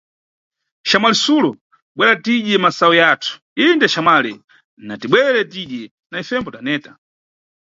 Xamwali Sulo, bwera tidye masayu yathu, inde, xamwali, natibwere tidye, na ifembo taneta.